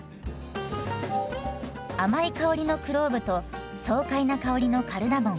甘い香りのクローブと爽快な香りのカルダモン。